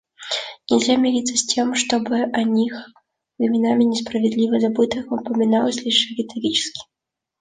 Нельзя мириться с тем, чтобы о них, временами несправедливо забытых, упоминалось лишь риторически.